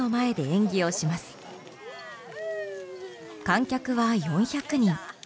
観客は４００人。